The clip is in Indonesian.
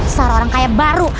seorang kayak baru